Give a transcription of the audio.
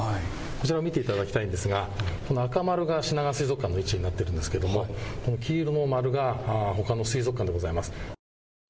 こちら見ていただきたいのですが赤丸が、しながわ水族館の位置になっているんですけれども黄色の丸がほかの水族館でございます。